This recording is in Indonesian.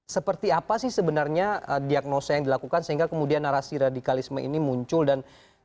seperti apa sih sebenarnya diagnosa yang dilakukan sehingga kemudian narasi radikalisme ini muncul dan